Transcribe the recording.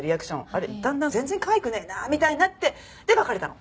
あれだんだん全然かわいくねえなみたいになってで別れたの。